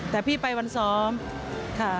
แต่พี่ไปวันซ้อมค่ะ